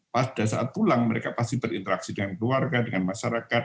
pada saat pulang mereka pasti berinteraksi dengan keluarga dengan masyarakat